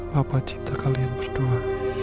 papa cinta kalian berdua